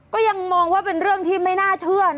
ก็ยังมองว่าเป็นเรื่องที่ไม่น่าเชื่อนะ